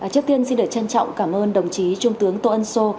trước tiên xin được trân trọng cảm ơn đồng chí trung tướng tô ân sô